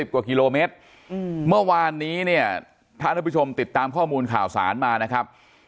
กว่ากิโลเมตรเมื่อวานนี้เนี่ยท่านผู้ชมติดตามข้อมูลข่าวสารมานะครับ